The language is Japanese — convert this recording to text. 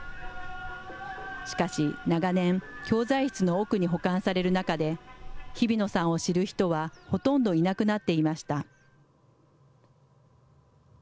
しかし、長年、教材室の奥に保管される中で、日比野さんを知る人はほとんどいなくなっていました。